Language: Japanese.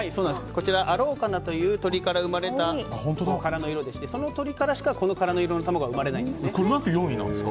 こちら、アローカナという鶏から生まれた殻の色でしてその鶏からしか、この殻の色の卵は生まれないんですね。